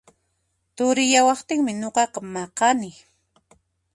Turiyawaqtinmi nuqaqa maqani